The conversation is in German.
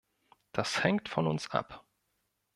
Das hängt von uns ab.